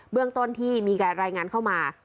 เรื่องต้นที่มีการรายงานเข้ามา